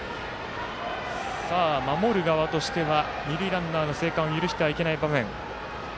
守る側としては二塁ランナーの生還を許してはいけない場面。